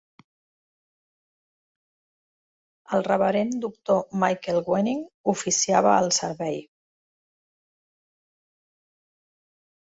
El reverend doctor Michael Wenning oficiava el servei.